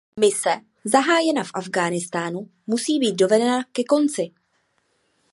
Mise zahájená v Afghánistánu musí být dovedena ke konci.